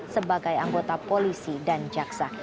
sebagai anggota polisi dan jaksa